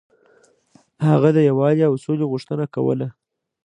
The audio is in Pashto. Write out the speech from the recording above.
هغه د یووالي او سولې غوښتنه کوله.